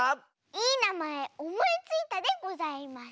いいなまえおもいついたでございます。